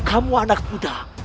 kamu anak muda